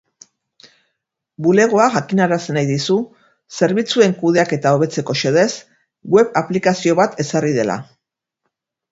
Bulegoak jakinarazi nahi dizu, zerbitzuen kudeaketa hobetzeko xedez, web aplikazio bat ezarri dela.